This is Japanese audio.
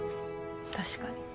確かに。